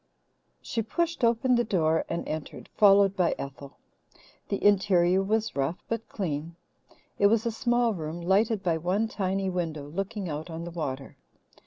She pushed open the door and entered, followed by Ethel. The interior was rough but clean. It was a small room, lighted by one tiny window looking out on the water.